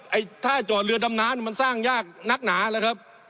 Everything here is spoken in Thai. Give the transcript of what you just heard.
ไอ้ท่าจอดเรือดำน้ำมันสร้างยากนักหนาแล้วครับ